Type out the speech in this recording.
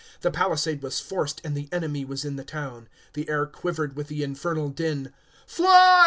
The palisade was forced, and the enemy was in the town. The air quivered with the infernal din. "Fly!"